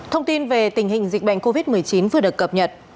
thông tin về tình hình dịch bệnh covid một mươi chín vừa được cập nhật